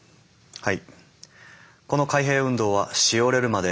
はい。